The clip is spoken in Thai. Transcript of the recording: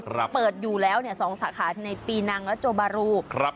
เปิดอยู่แล้วเนี่ยสองสาขาในปีนังและโจบารูครับ